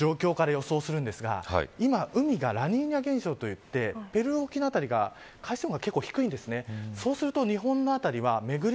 これ海の状況から予想するんですが今、海がラニーニャ現象といってペルー沖の辺りの海水温が意外と低いんですね。